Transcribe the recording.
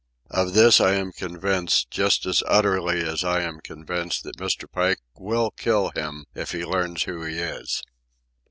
Of this I am convinced, just as utterly as I am convinced that Mr. Pike will kill him if he learns who he is.